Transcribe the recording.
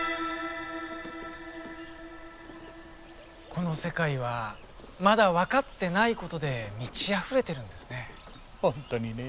この世界はまだ分かってないことで満ちあふれているんですね。